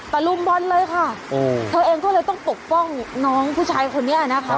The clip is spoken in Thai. รุมบอลเลยค่ะเธอเองก็เลยต้องปกป้องน้องผู้ชายคนนี้นะคะ